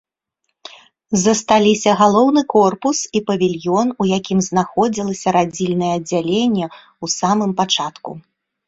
Засталіся галоўны корпус і павільён, у якім знаходзілася радзільнае аддзяленне ў самым пачатку.